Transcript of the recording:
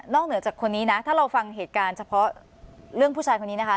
เหนือจากคนนี้นะถ้าเราฟังเหตุการณ์เฉพาะเรื่องผู้ชายคนนี้นะคะ